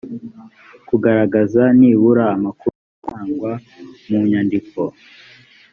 kugaragaza nibura amakuru ateganywa munyandiko